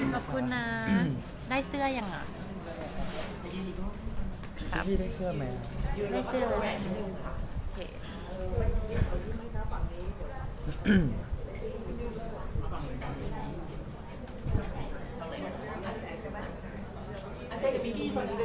ขอบคุณนะได้เสื้อยังอ่ะ